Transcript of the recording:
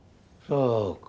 そうか。